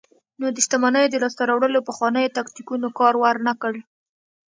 نو د شتمنیو د لاسته راوړلو پخوانیو تاکتیکونو کار ورنکړ.